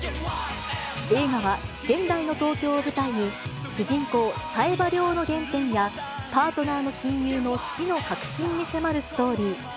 映画は現代の東京を舞台に、主人公、冴羽りょうの原点やパートナーの親友の死の核心に迫るストーリー。